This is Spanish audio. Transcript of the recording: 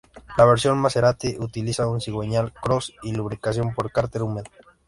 La versión Maserati utiliza un cigüeñal "cross", y lubricación por cárter húmedo.